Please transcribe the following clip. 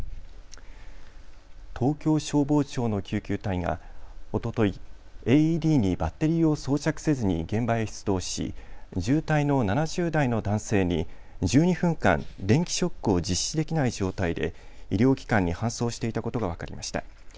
東京消防庁の救急隊員がおとといＡＥＤにバッテリーを装着せずに現場出動し重体の７０代の男性に１２分間、電気ショックを実施できない状態で医療機関に搬送していたことが分かりました。